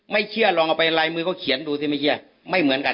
ไม่เชื่อลองเอาไปลายมือเขาเขียนดูสิไม่เชื่อไม่เหมือนกัน